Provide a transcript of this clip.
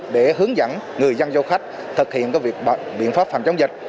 để hướng dẫn người dân dâu khách thực hiện các việc biện pháp hành chống dịch